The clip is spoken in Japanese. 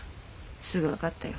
すぐ分かったよ。